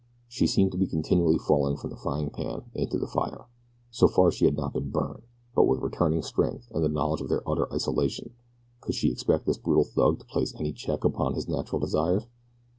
She seemed to be continually falling from the frying pan into the fire. So far she had not been burned, but with returning strength, and the knowledge of their utter isolation could she expect this brutal thug to place any check upon his natural desires?